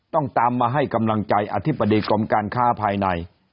ต้องตามมาให้กำลังใจอธิบดีกรมการค้าภายใน